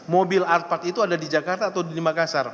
mobil alphard itu ada di jakarta atau di makasar